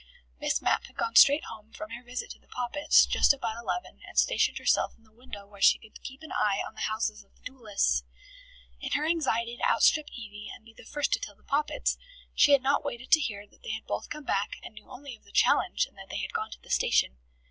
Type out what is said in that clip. Miss Mapp had gone straight home from her visit to the Poppits just about eleven, and stationed herself in the window where she could keep an eye on the houses of the duellists. In her anxiety to outstrip Evie and be the first to tell the Poppits, she had not waited to hear that they had both come back and knew only of the challenge and that they had gone to the station.